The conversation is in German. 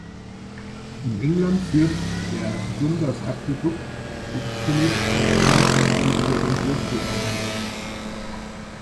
In England führt der Dundas-Aquädukt den Kennet-und-Avon-Kanal über den Bristol Avon.